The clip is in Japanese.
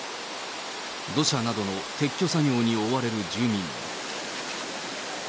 土砂などの撤去作業に追われる住民。